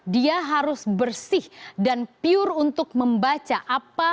dia harus bersih dan pure untuk membaca apa